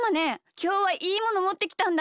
きょうはいいものもってきたんだ。